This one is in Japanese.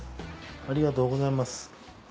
ありがとうございます。